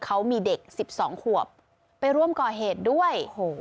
เขามีเด็ก๑๒ขวบไปร่วมก่อเหตุด้วยโอ้โห